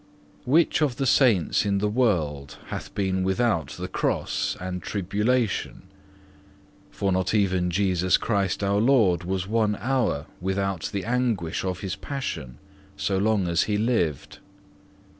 Which of the saints in the world hath been without the cross and tribulation? For not even Jesus Christ our Lord was one hour without the anguish of His Passion, so long as He lived.